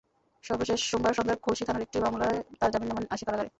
সর্বশেষ সোমবার সন্ধ্যায় খুলশী থানার একটি মামলায় তাঁর জামিননামা আসে কারাগারে।